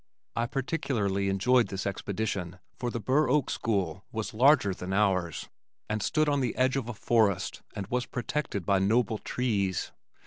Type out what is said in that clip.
I particularly enjoyed this expedition for the Burr Oak School was larger than ours and stood on the edge of a forest and was protected by noble trees.